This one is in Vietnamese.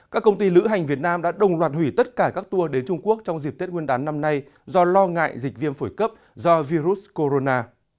các công ty lữ hành việt nam đã đồng loạt hủy tất cả các tour đến trung quốc trong dịp tết nguyên đán năm nay do lo ngại dịch viêm phổi cấp do virus corona